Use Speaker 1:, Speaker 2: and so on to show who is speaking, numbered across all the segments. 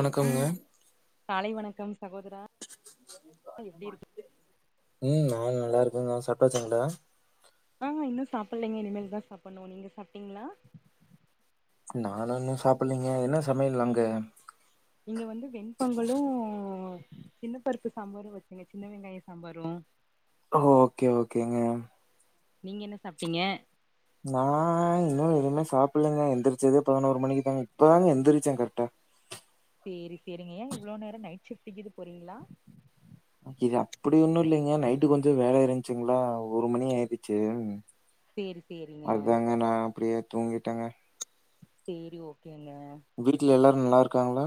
Speaker 1: வணக்கம்ங்க
Speaker 2: மாலை வணக்கம் சகோதரா எப்டிருக்
Speaker 1: ம் நா நல்லாருக்கேங்க சாப்ட்டாச்சுங்ளா
Speaker 2: ஆ இன்னூ சாப்பிலலைங்க இனிமேல் தா சாப்பட்ணூ நீங்க சாப்ட்டீங்ளா
Speaker 1: நாலா இன்னூ சாப்பில்லைங்க என்ன சமையல் அங்க
Speaker 2: இங்க வந்து வெண்பொங்கலூ சின்ன பருப்பு சாம்பாரூ வச்சங்க சின்ன வெங்காய சாம்பாரூ
Speaker 1: ஓகே ஓகேங்க
Speaker 2: நீங்க என்ன சாப்ட்டீங்க
Speaker 1: நா இன்னு எதூமே சாப்பிட்லங்க எந்திரிச்சதே பதினோரு மணிக்கு தா இப்பதாங்க எந்திரிச்சே கரெட்டா
Speaker 2: சேரி செரிங்க ஏ இவ்ளோ நேரோ நைட் ஷிஃப்ட்டிக்கிது போறீங்ளா
Speaker 1: கொஞ்ச வேல இருந்ச்சுங்களா ஒரு மணி ஆயிருச்சு
Speaker 2: சேரி சேரிங்க
Speaker 1: அத்தாங்க நா அப்டியே தூங்கிட்டங்க
Speaker 2: சேரி ஓக் கேங்க
Speaker 1: நல்லாருக்காங்களா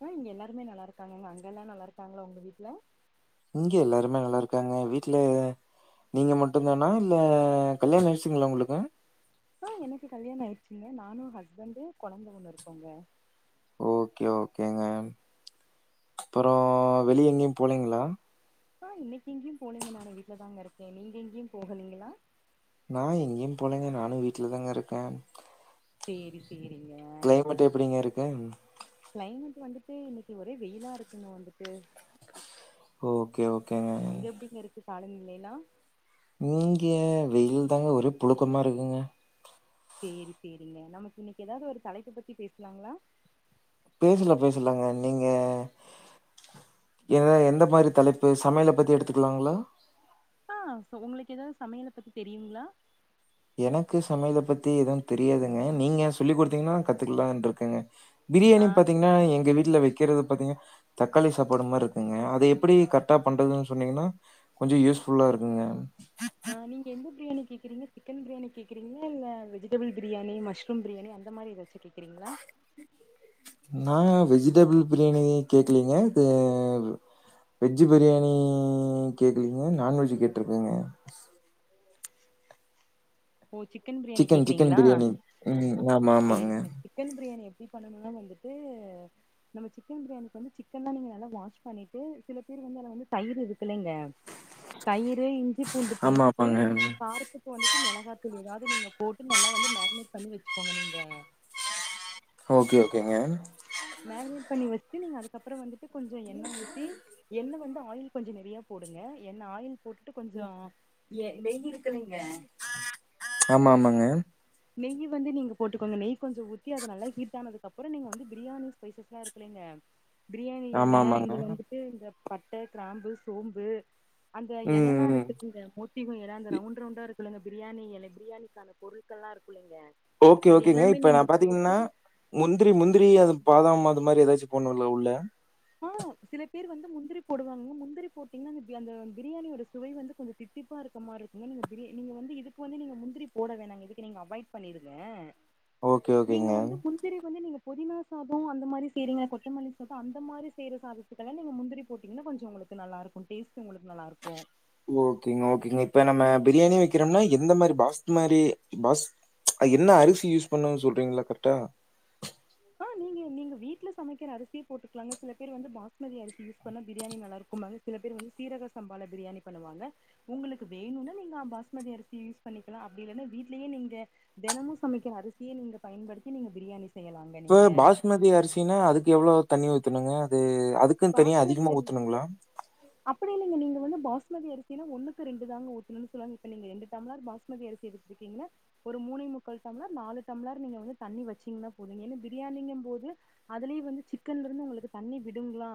Speaker 2: ஆ இங்க எல்லாருமே நல்லாருக்காங்க அங்க எல்லா நல்லாருக்காங்களா உங்க வீட்ல
Speaker 1: இங்க எல்லாருமே நல்லாருக்காங்க வீட்ல நீங்க மட்டுந்தானா இல்ல கல்யாணோ ஆயிர்ச்சிங்களா உங்களுக்கு
Speaker 2: ஆ எனக்கு கல்யாண ஆயிச்சுங்க நானூ ஹஸ்பண்ட்டு கொழந்த ஒன்னு இருக்குங்க
Speaker 1: ஓகே ஓகேங்க அப்றோ வெளிய எங்கேயு போலீங்களா
Speaker 2: ஆ இன்னைக்கு எங்கேயு போலீங்க நானு வீட்ல தாங்க இருக்கே நீங்க எங்கேயு போகலீங்களா
Speaker 1: நா எங்கயு போலங்க நானு வீட்லதாங்க இருக்கே
Speaker 2: சேரி சேரிங்க
Speaker 1: கிளைமேட் எப்படிங்கருக் ஏங்
Speaker 2: கிளைமேட் வந்துட்டு இன்னக்கு ஒரே வெயிலா இருக்குங்க வந்துட்டு
Speaker 1: ஓகே ஓ
Speaker 2: அங்க எப்டிங்கருக்கு பாலும் இல்லைலா
Speaker 1: இங்கே வெயில் தாங்க ஒரே புழுக்கமா இருக்குங்க
Speaker 2: சேரி சேரிங்க நமக் இன்னிக் எதாது ஒரு தலைப்பு பத்தி பேஸ்லாங்ளா
Speaker 1: பேசலா பேசலாங்க நீங்க எத எந்த மாரி தலைப்பு சமையல பத்தி எடுத்துக்கலாங்ளா
Speaker 2: ஆ சோ உங்களுக்கு எதாது சமையல பத்தி தெரியுங்ளா
Speaker 1: எனக்கு சமையல பத்தி எதுவு தெரியாதுங்க நீங்க சொல்லி் குடுத்தீங்னா கத்துக்கலான்ருக்கங்க
Speaker 2: ஆ
Speaker 1: பிரியாணி
Speaker 2: ச
Speaker 1: பாத்தீங்ன்னா எங்க வீட்ல வெ கிறது பாத்தீங்க தக்காளி சாப்பாடு மார்ருக்குங்க அத எப்டி கரெட்டா பண்றதுன் சொன்னீங்னா கொஞ்ச யூஸ்ஃபுல்லாருக்குங்க
Speaker 2: ஆஹ் நீங்க எந்த பிரியாணி கேக்கறீங்க சிக்கன் பிரியாணி கேக்கறீங்களா இல்ல வெஜிடபிள் பிரியாணி மஷ்ரூம் பிரியாணி அந்த மாரி எதாச்சு கேக்கறீங்களா
Speaker 1: நா வெஜிடபிள் பிரியாணி கேக்கலீங்க க வெஜ்ஜு பிரியாணி கேக்கலீங்க நான்வெஜ்ஜு கேட்ருக்கங்க
Speaker 2: ஓ சிக்கன் பிரியாணி
Speaker 1: சிக்கன்
Speaker 2: கேக்கறீங்களா
Speaker 1: பிரியாணி ம் ஆமா ஆமாங்க
Speaker 2: சேரிங்க சிக்கன் பிரியாணி இப்ப நம்ம வந்துட்டு நம்ம சிக்கன் பிரியாணிக்கு வந்து சிக்கன்லா நீங்க நல்லா வாஷ் பண்ணிட்டு சில பேர் வந்து அத வந்து தயிர் இருக்குல்லீங்க தயி ரு, இஞ்சி பூண்டு
Speaker 1: ஆமா
Speaker 2: பேஸ்ட்டு
Speaker 1: ஆமாங்க
Speaker 2: காரத்துக்கு வந்துட்டு மிளகா எதாவது நீங்க போட்டு நல்லா வந்து மேக்னெட் பண்ணி வெச்சுக்கோங்க நீங்க
Speaker 1: ஓகே ஓகேங்க
Speaker 2: மேக்னெட் பண்ணி வெச்சு நீங்க அதுக்கப்பறோ வந்துட் டு கொஞ்சோ எண்ண ஊத்தி எண்ண வந்து ஆயில் கொஞ்ச நெறையா போடுங்க என்ன ஆயில் போட்டுட்டு கொஞ்சோ எ நெய் இருக்குல்லைங்க
Speaker 1: ஆமா ஆமாங்க
Speaker 2: நெய்யி வந்து நீங்க போட்டுக்கோங்க நெய் கொஞ்ச ஊத்தி அத நல்லா ஹீட்டானதுக் கப்பறோ நீங்க வந்து பிரியாணி ஸ்பைசஸ்ல்லா இருக்குல்லீங்க பிரியாணி எல
Speaker 1: ஆமா ஆமாங்க
Speaker 2: இந்த வந்துட்டு இந்தப் பட்ட, கிராம்பு, சோம்பு அந்த
Speaker 1: ம்
Speaker 2: எலல்லா
Speaker 1: ம்
Speaker 2: இருக்குங்க மோத்தி [unintelligible] அந்த ரவுண்ட் ரவுண்டா இருக் சொல்லுங்க பிரியாணி எல பிரியாணிக்கான பொருள் க்கல்லா இருக்குல்லீங்க
Speaker 1: ஓகே ஓகேங்க இப்ப நா பாத்தீங்ன்னா முந்திரி முந்திரி அது பாதாமா இந்த மாரி எதாச்சு போட்ணுல்ல உள்ள
Speaker 2: ஆ சில பேர் வந்து முந்திரி போடுவாங்க முந்திரி போட்டீங்னா அந்த பெ அந்த பிரியாணியோட சுவை வந்து கொஞ்சோ தித்திப்பா இருக்க மார்ருக்குங்க நீங்க பிரி நீங்க வந்து இதுக் வந்து நீங்க முந்திரி போட வேணாங்க இதுக்கு நீங்க அவாய்ட் பண்ணிருங்க
Speaker 1: ஓகே
Speaker 2: நீங்க
Speaker 1: ஓகேங்க
Speaker 2: வந்து முந்திரி வந்து நீங்க புதினா சாதோ அந்த மாரி செய்றீங்க கொத்தமல்லி சாதோ அந்த மாரி செய்யற சாதத்துக்கெல்லா நீங்க முந்திரி போட்டீங்கனா கொஞ்சோ உங்களுக்கு நல்லாருக்கு டேஸ்ட் உங்களுக்கு நல்லா இருக்கு
Speaker 1: ஓகேங்க ஓகேங்க இப்ப நம்ம பிரியாணி வெக்கிறம்னா எந்த மாரி பாஸ்த் மாரி பாஸ் அத் என்ன அரிசி யூஸ் பண்ணு சொல்றீங்களா கரெட்டா
Speaker 2: ஆ நீங்க நீங்க வீட்ல சமைக்கிற அரிசியே போட்டுக்குலாங்க சில பேர் வந்து பாஸ்மதி அரிசி யூஸ் பண்ணா பிரியாணி நல்லாருக்கும்பாங்க சில பேர் வந்து சீரக சம்பால பிரியாணி பண்ணுவாங்க உங்குளுக்கு வேணுன்னா நீங்க பாஸ்மதி அரிசி யூஸ் பண்ணிக்கலா அப்டி இல்லன்னா வீட்லயே நீங்க தெனமு சமைக்கிற அரிசியே நீங்க பயன்படுத்தி நீங்க பிரியாணி செய்யலா
Speaker 1: இப்போ பாஸ்மதி அரிசினா அதுக் எவ்ளோ தண்ணி ஊத்துணுங்க அது அதுக்குன் தனியா
Speaker 2: பாஸ்மதி
Speaker 1: அதிகமா
Speaker 2: அரி
Speaker 1: ஊத்தணுங்ளா
Speaker 2: [unintelligible] நீங்க வந்து பாஸ்மதி அரிசினனா ஒண்ணுக்கு ரெண்டுதாங்க ஊத்தனு சொல்லுவாங் இப்ப நீங்க ரெண்டு டம்ளார் பாஸ்மதி அரிசி எடுத்துருக்கீன்னா ஒரு மூனை முக்கள் டம்ளார் நாலு டம்ளார் நீங்க வந்து தண்ணி வெச்சீங்குன்னா போது ஏனா பிரியாணிங்கும் போது அதிலயே வந்து சிக்கன்ல இருந்து உங்குளுக் தண்ணி விடுங்குளா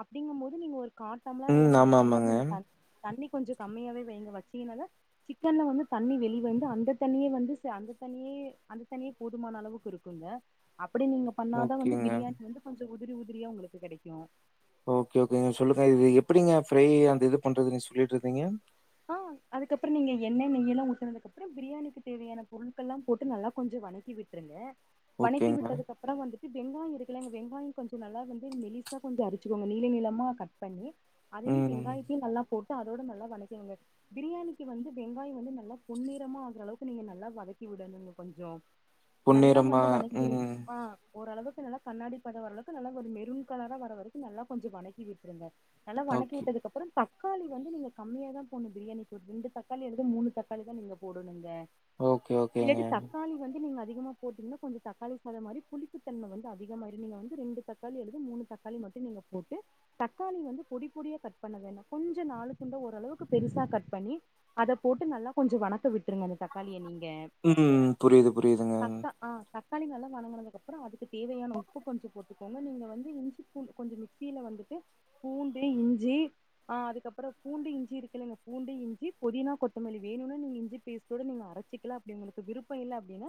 Speaker 2: அப்பிடிங்கும் போது நீங்க ஒர் கா டம்ளார்
Speaker 1: ம்.
Speaker 2: அல்லது அர
Speaker 1: ஆமா,
Speaker 2: டம்ளார்
Speaker 1: ஆமாங்க.
Speaker 2: நீங்க தண் தண்ணி கொஞ்ச கம்மியாவே வெயிங்க வச்சீங்குனாத சிக்கன்ல வந்து தண்ணி வெளி வந்து அந்த தண்ணியே வந்து சே அந்த தண்ணியே அந்த தண்ணியே போதுமான அளவுக்கு இருக்குங்க அப் ப்டி நீங்க பண்ணாதா வந்து
Speaker 1: ஓகேங்க.
Speaker 2: பிரியாணில இருந்து கொஞ்சு உதிர் உதிரியா உங்குளுக் கெடைக்கு
Speaker 1: ஓகே ஓகேங்க சொல்லுங்க இது எப்பிடிங்க ஃப்ரை அந்த இது பண்றது நீங்க சொல்லிட்ருந்தீங்க
Speaker 2: ஆ அதுக்கப்புறம் நீங்க எண்ணெய் நெய்யெல்லா ஊத்துனகப்புறோ பிரியாணிக்கு தேவையான பொருள்கள் எல்லாம் போட்டு நல்லா கொஞ்ச வணக்கி விட்டுருங்க வணக்கி
Speaker 1: ஓகேங்க.
Speaker 2: விட்டதுகப்புறோ வந்துட் இ வெங்காய் இருக்குல்லங்க வெங்காய் கொஞ்ச நல்லா வந்து மெலிசா கொஞ்சோ அரிச்சுக்கோங்க நீள நீளமா கட் பண்ணி அதையும்
Speaker 1: ம்.
Speaker 2: வெங்காயத்தையும் நல்லா போட் ட்டு அதோட நல்ல வணிக் கிங்க பிரியாணிக்கு வந்து வெங்காய வந்து நல்லா பொன்னிறமா ஆகுறளவுக்கு நீங்க நல்லா வதக்கி விடணுங்க கொஞ்சோ நல்லா
Speaker 1: பொன்னிறமா
Speaker 2: வந்து
Speaker 1: ம்.
Speaker 2: வணங்கிரும்மா ஓரளவுக்கு நல்லா கண்ணாடி பத வரளவுக்கு நல்லா ஒர் மெருன் கலரா வர வரைக்கு நல்லா கொஞ்சோ வணக்கி விட்ருங்க நல்லா வணக்கி
Speaker 1: ஓகே.
Speaker 2: விட்டதுக்குப்புறம் தக்காளி வந்து நீங்க கம்மியா தான் பொண்ணு பிரியாணிக்கு ஒரு ரெண்டு தக்காளி அல்லது மூணு தக்காளி தான் நீங்க போடும்ணுங்க
Speaker 1: ஓகே ஓகேங்க
Speaker 2: நீங்க போட்டீங்கன்னா கொஞ்சம் தக்காளி சாத மாதிரி புளிப்புத்தன்மை வந்து அதிகமாயீரு ரெண்டு தக்காளி மூணு நீ போட்டு தக்காளி வந்து பொடி பொடிய கட் பண்ண ‌ வேண்டாம் கொஞ்சம் நாலு துண்ட ஓரளவுக்கு பெருசா கட் பண்ணி அதை போட்டு நல்லா கொஞ்சம் வணக்க விட்டுருங்க அந்த தக்காளியை நீங்க
Speaker 1: ம் புரியுது புரியுதுங்க
Speaker 2: தக்கா ஆ தக்காளி நல்லா வணங்கினதுக்கப்புறம் அதுக்கு தேவையான உப்பு கொஞ்சம் போட்டுக்கோங்க நீங்கள் வந்து இஞ்சி பூண்டு கொஞ்சம் மிக்சியில் வந்துட்டு பூண்டு இஞ்சி அதுக்கப்புறம் பூண்டு இஞ்சி இருக்கு பூண்டு இஞ்சி பொதினா கொத்தமல்லி வேணும்னு நீங்க இஞ்சி பேஸ்ட் நீங்க அரைச்சிக்கலாம் அப்படி உங்களுக்கு விருப்பம் இல்லை அப்படின்னா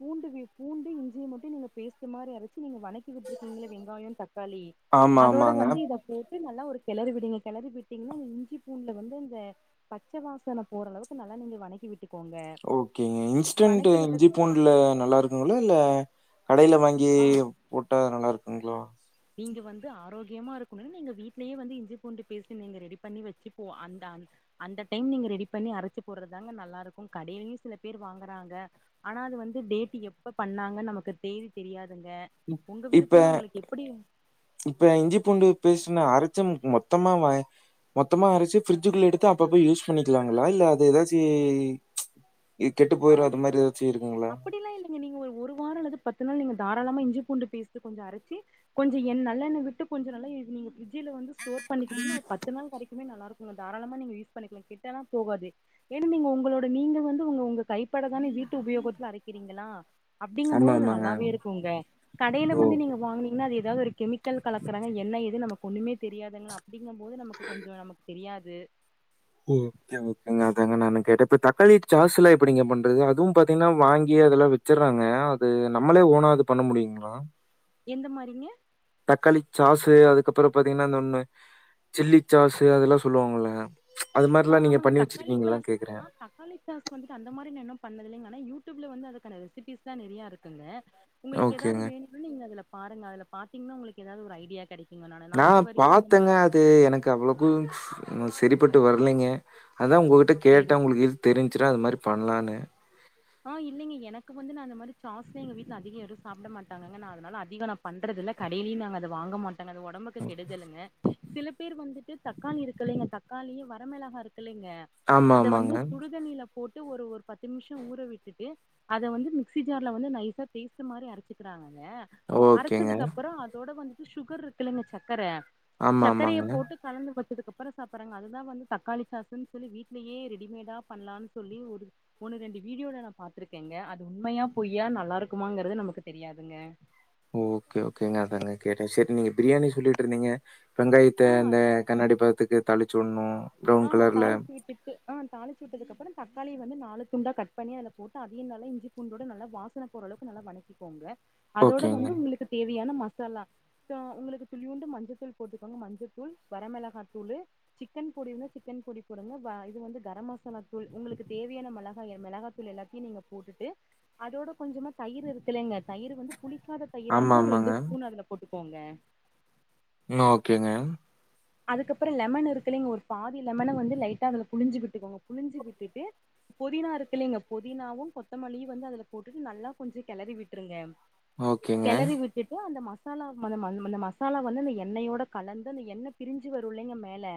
Speaker 2: பூண்டு பூண்டு இஞ்சியை மட்டும் நீங்க பேஸ்ட்மாதிரி அரை நீங்க வணக்கி விட்டு இருக்கீங்கள வெங்காயம் தக்காளி
Speaker 1: ஆமா,
Speaker 2: அதோட
Speaker 1: ஆமாங்க.
Speaker 2: வந்து இத போட்டு நல்லா ஒரு கிளறி விடுங்க கிளறி விட்டீங்கன்னா இஞ்சி பூன்டுல வந்து இந்த பச்சை வாசனை போற அளவுக்கு நல்லா நீங்க வணக்கி விட்டு
Speaker 1: ஓகேங்க இன்ஸ்டன்ட் இஞ்சி
Speaker 2: விட்டதுக்கு
Speaker 1: பூண்டல நல்லா இருக்குங்களா இல்ல கடையில வாங்கி
Speaker 2: ஆ
Speaker 1: போட்டா நல்லா இருக்குங்களா
Speaker 2: நீங்க வந்து ஆரோக்கியமா இருக்கணும் நீங்க வீட்லயே வந்து இஞ்சி பூண்டு பேசி நீங்க ரெடி பண்ணி வச்சுந்த அந்த டைம் நீங்க ரெடி பண்ணி அரைச்சு போடுறதுதாங்க நல்லா இருக்கும் கடையிலயும் சில பேர் வாங்குறாங்க ஆனா அது வந்து டேட் எப்ப பண்ணாங்கன்ன நமக்கு தேதி தெரியாது ங்க
Speaker 1: ம்.
Speaker 2: உங்க
Speaker 1: இப்ப
Speaker 2: விருப்பம் தான் உங்களுக்கு
Speaker 1: இப்ப இஞ்சி பூண்டு பேஸ்ட் நா அரைச் மொத்தமா மொத்தமா அரைச்சு ஃப்ரிட்ஜுக்குள்ள எடுத்து அப்பப்ப யூஸ் பண்ணிக்கலாங்களா இல்ல அது ஏதாச்சு‌
Speaker 2: ஆ அப்படிலாம் இல்லைங்க நீங்க ஒரு ஒரு வாரம் அல்லது பத்து நீங்க தாராளமாக இஞ்சி பூண்டு வேஸ்ட் கொஞ்சம் அரைச்சு கொஞ்சம் நல்லெண்ண் விட்டு கொஞ்சம் நல்லா நீங்க பிரிட்ஜில வந்து ஸ்டார் பண்ணிக்கீடிங்கன்னா ஒரு பத்து நாள் வரைக்குமே நல்லாக்கும் தாராளமா நீங்க யூ பண்ணிக்கலாம் கெட்டெல்லாம் போகாது ஏன்னா நீங்க உங்களோட நீங்க வந்து உங்க உங்க கைப்பட தானே வீட்டு உபயோகத்துல அரைக்கிறீங்களா அப்டிங்கும்
Speaker 1: ஆமா,
Speaker 2: போது அது
Speaker 1: ஆமாங்க.
Speaker 2: நல்லாவே இருக்குங்க கடையில
Speaker 1: ஓ!
Speaker 2: வந்து நீங்க வாங்கனீங்கன்னா அது எதா ஒரு கெமிக்கல் கலக்கறாங்க என்ன எது நமக்கு ஒண்ணமே தெரியாதங்கள அ அப்டிங்கும் போது நமக்கு கொஞ்சோ நமக்கு தெரியாது இது
Speaker 1: ஓ ஒகே ஒகேங்க அதாங்க நானு கேட்டே இப்ப தக்காளிட்டு சாஸ்செல்லா எப்டிங்க பண்றது அதுவு பாத்தீங்கன்னா வாங்கி அதெல்லா வெச்சிட்றாங்க அது நம்மளே ஓனா அது பண்ண முடியுங்களா
Speaker 2: எந்த மாரிங்க
Speaker 1: தக்காளி சாஸ்சு அதுக்கப்புறோ பார்த்தீங்கன்னா இன்னோன்னு அந்த சில்லி சாஸு அதெல்லா சொல்லுவாங்குல்ல
Speaker 2: ஆஹ் ஆமாங்க தக்காளி தாஸ்
Speaker 1: கேக்குறேன்?
Speaker 2: ஆ ஆ தக்காளி சாசு வந்துட்டு அந்த மாரி நா இன்னு பண்ணதில்லிங்க யூடியூப்ல வந்து அதுக்கான ரெசிபிஸ் தா நெறைய இருக்குங்க உங்களுக்கு ஏதாவது
Speaker 1: ஓகேங்க.
Speaker 2: வேணுன்னா நீங்க அதுல பாருங்க அதுல பாத்தீங்கன்னா உங்களுக்கு ஏதாவது ஒரு ஐடியா கெடைக்கோ
Speaker 1: நா பாத்தேங்க அது எனக்கு அவ்வளவுக்கும் செரி பட்டு வரலைங்க அத்தா உங்க கிட்ட
Speaker 2: சேரி
Speaker 1: கேட்டே உங்களுக்கு எதது தெரிஞ்சிட அது மாரி பண்ணலனு
Speaker 2: ஆஹ் இல்லைங்க எனக்கு வந்து நா அந்த மாரி சாஸ்லா எங்க வீட்டுல அதிகோ யாரு சாப்பிட மாட்டாங்க நா அதனால அதிகோ நா பண்றது இல்ல கடையிலயு நாங்க அத வாங்க மாட்டோங்க டோங்க அது ஒடம்புக்கு கெடுதலுங்க சில பேர் வந்துட்டு தக்காளி இருக்குல்லலைங்க தக்காளியே வரமளகா இருக்கு ங்க
Speaker 1: ஆமா,
Speaker 2: அத வந்து
Speaker 1: ஆமாங்க.
Speaker 2: சுடுதண்ணியில போட்டு ஒரு ஒரு பத்து நிமிஷோ ஊர விட்டுட்டு அத வந்து மிக்சி ஜார்ல வந்து நைசா டேஸ்ட் மாரி அரைச்சுக்கறாங்க க
Speaker 1: ஓகேங்க.
Speaker 2: அரைச்சதுக்கு அப்புறோ அதோட வந்து சுகர் இருக்கு இல்லங்க சக்கர
Speaker 1: ஆமா,
Speaker 2: சர்க்கரைய
Speaker 1: ஆமாங்க.
Speaker 2: போட்டு கலந்து வச்சு அப்புறோ சாப்புட்றாங்க அதுதா வந்து தக்காளி சாசுன்னு சொல்லி வீட்லயே ரெடிமேடா பண்ணலாம்னு சொல்லி ஒரு ஒன்னு ரெண்டு வீடியோல நா பாத்திருக்கேங்க அது உண்மையா பொய்யான்னுல்லா நல்லாருக்குமாங்கறது நமக்கு தெரியாதுங்க
Speaker 1: ஓகே ஓகேங்க ஆதாங்க கேட்டே சேரி நீங்க பிரியாணி சொல்லிட்டு இருந்தீங்க வெங்காயத்த
Speaker 2: ஆ
Speaker 1: அந்த கண்ணாடி பதத்துக்கு தாளிச்சுவுட்னு
Speaker 2: ஆஹ் தாளிச்சி விட்டுட்டு ஆஹ் தாளிச்சு விட்டதுக்கு அப்புறோ தக்காளிய வந்து நாலு துண்டாக கட் பண்ணி அதுல போட்டு அதையு நல்ல இஞ்சி பூண்டோடு நல்லா வாசன போற அளவுக்கு நல்லா வதங்கிக்கோங்க அதோட
Speaker 1: ஓகேங்க.
Speaker 2: வந்து உங்களுக்கு தேவையான மாச மசாலா உங்களுக்கு துளிவுண்டு மஞ்சத்தூள் போட்டுக்கோங்க மஞ்சத்தூள் வரமிளகா தூளு சிக்கன் பொடி வந்து சிக்கன் பொடி போடுங்க இது வந்து கரம் மசாலா தூள் உங்களுக்கு தேவையான மிளகாய மிளகா தூள் எல்லாத்தையும் நீங்க போட்டுட்டு அதோட கொஞ்சமா தயிர் இருக்குலங்க தயிர் வந்து புளிக்காத தயிராக
Speaker 1: ஆமா,
Speaker 2: இருந்த ஒரு ரண்டு
Speaker 1: ஆமாங்க.
Speaker 2: ஸ்பூன் அதுல போட்டு போங்க
Speaker 1: ஓகேங்க
Speaker 2: அதுக்கப்புறம் லெமன் இருக்கு இல்லிங்க ஒரு பாதி லெமனை வந்து லைட்டா அதுல புழிஞ்சு விட்டுக்கோங்க புழிஞ்சு விட்டுட்டு புதினா இருக்கு இல்லிங்க புதினாவும் கொத்தமல்லியும் வந்து அதுல போட்டுட்டு நல்லா கொஞ்சம் கிளறி விட்டுருங்க
Speaker 1: ஓகேங்க.
Speaker 2: கிளறி விட்டுட்டு அந்த மாச மசாலா ம அந்த மசாலா வந்து இந்த எண்ணெயோட கலந்து அந்த எண்ணெய் பிரிஞ்சு வரும் பிள்ளைங்க மேலே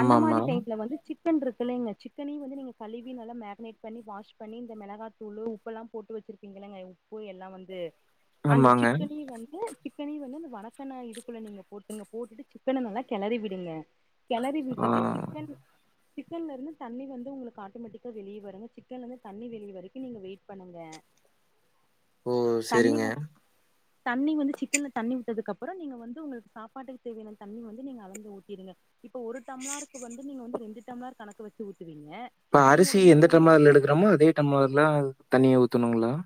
Speaker 2: அந்த மாரி டைம்ல வந்து சி க்கன் இருக்குல்லைங்க சிக்கனையு வந்து நீங்க கழுவி நல்லா மேரினேட் பண்ணி வாஷ் பண்ணி இந்த மிளகாத்தூளு உப்பெல்லா போட்டு வச்சிருக்கீங்களங்க உப்பு எல்லா வந்து அந்த
Speaker 1: ஆமாங்க.
Speaker 2: சிக்கனையு வந்து சிக்கனையு வந்து இந்த வணக்கென்ன இதுக்குள்ள நீங்க போட்டுங்க போட்டுட்டு சிக்கன நல்லா கெளறி விடுங்க கெளறி
Speaker 1: ஆ.
Speaker 2: விட்டுட்டு சிக்கன் சிக்கன்ல இருந்து தண்ணி வந்து உங்களுக்கு ஆட்டோமேட்டிக்கா வெளியே வருங்க சிக்கன் இருந்து தண்ணி வெளியே வரைக்கு நீங்க வெயிட் பண்ணுங்க
Speaker 1: ஓ!
Speaker 2: தண்ணி
Speaker 1: சரிங்க.
Speaker 2: வ தண்ணி வந்து சிக்கன்ல தண்ணி அதுக்கப்பறோ நீங்க வந்து உங்களுக்கு சாப்பாட்டுக்கு தேவையான தண்ணி வந்து நீங்க அளந்து ஊத்திருங்க இப்ப ஒரு டம்ளாருக்கு வந்து நீங்க வந்து ரெண்டு டம்ளர் கணக்கு வச்சு ஊத்துவீங்
Speaker 1: இப்ப அரிசி எந்த டம்ளர்ல எடுக்றமோ அதே டம்ளர்ல தண்ணிய ஊ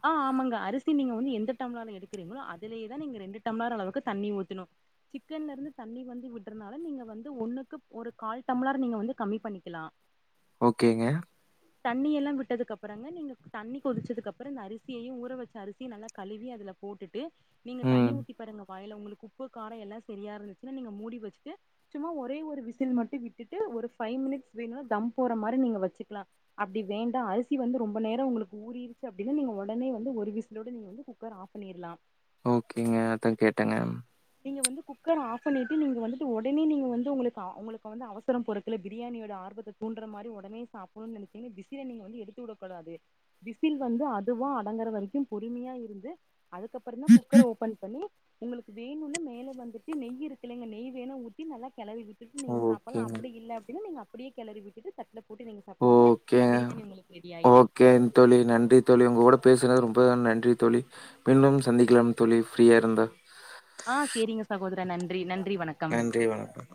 Speaker 2: ஆ ஆமாங்க அரி சி நீ வந்து எந்த டம்ளர்ல எடுக்கீங்றீகளோ அதுலயேதா நீங்க ரெண்டு டம்ளர் அளவுக்கு தண்ணி ஊத்துனு சிக்கன்ல இருந்து தண்ணி வந்து விட்றனால நீங்க வந்து ஒண்ணுக்கு ஒரு கால் டம்ளர் நீங்க வந்து கம்மி பண்ணிக்கலா
Speaker 1: ஓகேங்க.
Speaker 2: தண்ணி எல்லா விட்டதுக்கு அப்பறங்க நீங்க தண்ணி கொதிச்சதுக்கப் கப்றோ இந்த அரிசியையு ஊற வச்ச அரிசிய நல்ல கழுவி அதுல போட்டுட் டு நீங்க தண்ணி
Speaker 1: ம்.
Speaker 2: ஊத்தி பாருங்க வாயுல உங்களுக்கு உப்பு காரம் எல்லாம் சரியா இருந்துச்சுன்னா நீங்க மூடி வச்சுட்டு சும்மா ஒரே ஒரு விசில் மட்டும் விட்டுட்டு ஒரு ஃபைவ் மினிட்ஸ் வைங்க தம் போற மாரி நீங்க வச்சுக்கலாம் அப்பிடி வேண்டா அரிசி வந்து ரொம்ப நேரம் உங்களுக்கு ஊறி அப்பிடின்னா நீங்க ஒடனே வந்து ஒரு விசிலோட நீங்க வந்து குக்கர ஆப் பண்ணிடலாம்
Speaker 1: ஓகேங்க அதான் கேட்டேங்க
Speaker 2: நீங்க வந்து குக்கர் ஆஃப் பண்ணிட்டு நீங்க வந்துட்டு ஒடனே நீங்க வந்து உங்களுக்கு உங்களுக்கு வந்து அவசரம் பொறுக்கல பிரியாணியோட ஆர்வத்த தூன்றா மாரி ஓடனே சாப்பிடணும்னு நினைச்சி விசில நீங்க வந்து எடுத்து வுட கூடாது விசில் வந்து அதுவா அடங்கற வரைக்கும் பொறுமையா இருந்து அதுக்கப்பற தான் குக்கர ஓபன் பண்ணி உங்களுக்கு வேணும்ன்னா மேல வந்துட்டு நெய் இருக்குலங்க நெய் வேணா ஊத்தி நல்லா கெளரி விட்டு நீங்க சாப்பிடலாம்
Speaker 1: ஓகேங்க.
Speaker 2: அப்பிடி இல்ல அப்பிடின்னு நீங்க அப்பிடியே கெளறி விட்டுட்டு தட்டுல
Speaker 1: ஓகேங்க
Speaker 2: ஆயிரு
Speaker 1: ஓகே தோழி நன்றி தோழி உங்க கூட பேசுனது ரொம்ப ரொம்ப நன்றி தோழி [unintelligible] சந்திக்கலாம் தோழி ஃப்ரீயா இருந்தா
Speaker 2: சகோதர நன்றி நன்
Speaker 1: நன்றி வணக்கம்